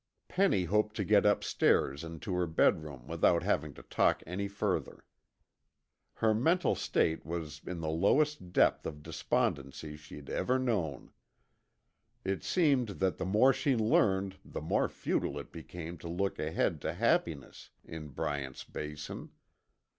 Penny hoped to get upstairs and to her bedroom without having to talk any further. Her mental state was in the lowest depth of despondency she'd ever known. It seemed that the more she learned the more futile it became to look ahead to happiness in Bryant's Basin.